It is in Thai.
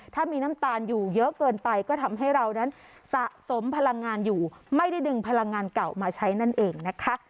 ถ้ามีน้ำตาลอยู่เยอะเกินไปก็ทำให้เรานั้นสะสมพลังงานอยู่ไม่ได้ดึงพลังงานเก่ามาใช้นั่นเองนะคะ